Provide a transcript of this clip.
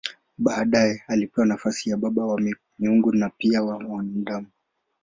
Baadaye alipewa nafasi ya baba wa miungu na pia wa wanadamu.